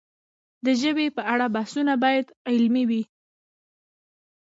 د ژبې په اړه بحثونه باید علمي وي.